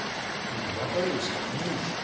もう別れるしかねぇじゃん！